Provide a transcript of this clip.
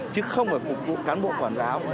chứ không phải phục vụ cán bộ quản giáo